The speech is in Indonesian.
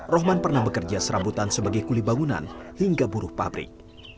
rohman pernah bekerja serambutan sebagai kulibangunan hingga buruh pabrik